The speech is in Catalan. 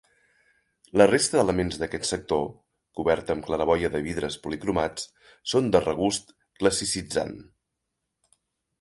La resta d'elements d'aquest sector, cobert amb claraboia de vidres policromats, són de regust classicitzant.